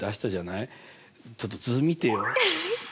ちょっと図見てよ。